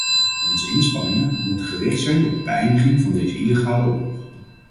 Onze inspanningen moeten gericht zijn op de beëindiging van deze illegale oorlog.